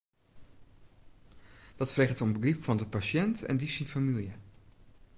Dat freget om begryp fan de pasjint en dy syn famylje.